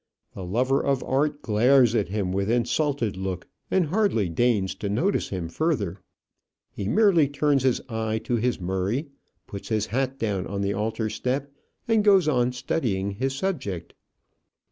The lover of art glares at him with insulted look, and hardly deigns to notice him further: he merely turns his eye to his Murray, puts his hat down on the altar step, and goes on studying his subject.